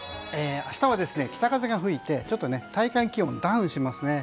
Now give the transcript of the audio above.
明日は北風が吹いて体感気温がダウンしますね。